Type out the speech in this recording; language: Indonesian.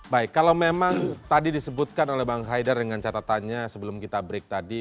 baik kalau memang tadi disebutkan oleh bang haidar dengan catatannya sebelum kita break tadi